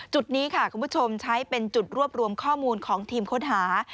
จุดนี้ค่ะคุณผู้ชมใช้เป็นจุดรวบรวมข้อมูลของทีมค้นหา